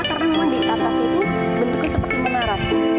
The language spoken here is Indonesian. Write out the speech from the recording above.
karena memang di atas itu bentuknya seperti menara